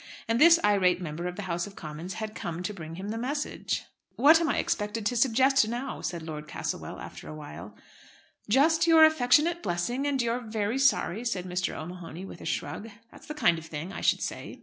And this irate member of the House of Commons had come to bring him the message! "What am I expected to suggest now?" said Lord Castlewell, after awhile. "Just your affectionate blessing, and you're very sorry," said Mr. O'Mahony, with a shrug. "That's the kind of thing, I should say."